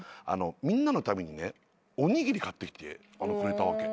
みんなのためにねおにぎり買ってきてくれたわけ。